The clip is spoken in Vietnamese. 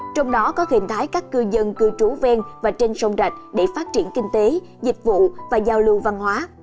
trong đó có hình thái các cư dân cư trú ven và trên sông rạch để phát triển kinh tế dịch vụ và giao lưu văn hóa